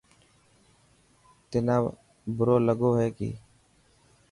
تنا برو لڳو هي ڪي.